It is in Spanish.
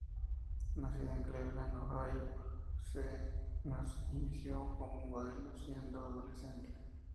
Nacida en Cleveland, Ohio, que se inició como modelo siendo adolescente.